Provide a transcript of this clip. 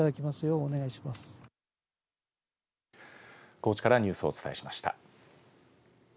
高知からニュースをお伝えしました。